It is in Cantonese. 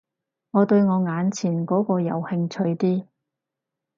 我對我眼前嗰個有興趣啲